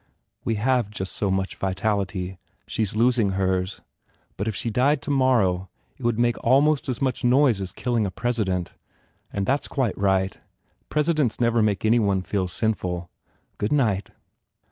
"We have just so much vitality. She s losing hers. But if she died tomorrow it would make almost as much noise as killing a president. And that s quite right. Presidents never make any one feel sinful. Good night."